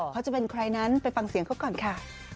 เขาจะเป็นใครนั้นไปฟังเสียงเขาก่อนค่ะ